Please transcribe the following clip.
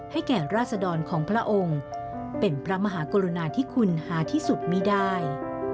แก่ราษดรของพระองค์เป็นพระมหากรุณาที่คุณหาที่สุดไม่ได้